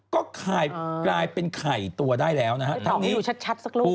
ก็กลายเป็นไข่ตัวได้แล้วนะฮะ